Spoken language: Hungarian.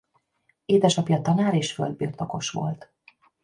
Édesapja tanár és földbirtokos volt.